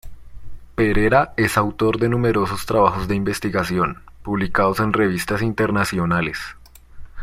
Perera es autor de numerosos trabajos de investigación, publicados en revistas internacionales.